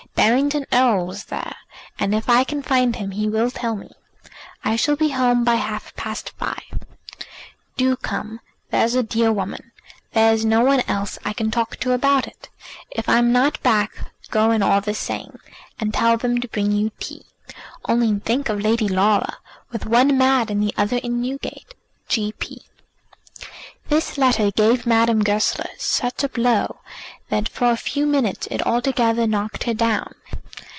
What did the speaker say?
Barrington Erle was there, and if I can find him he will tell me. I shall be home by half past five. Do come, there's a dear woman; there is no one else I can talk to about it. If I'm not back, go in all the same, and tell them to bring you tea. "Only think of Lady Laura, with one mad and the other in Newgate! G. P." This letter gave Madame Goesler such a blow that for a few minutes it altogether knocked her down.